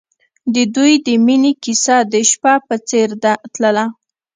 د دوی د مینې کیسه د شپه په څېر تلله.